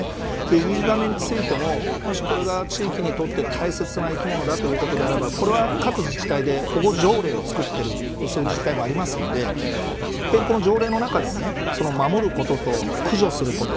ウミガメについてももし、これが地域にとって大切な生き物だということであればこれは各自治体で保護条例を作っている自治体もあるのでこの条例の中で守ることと駆除すること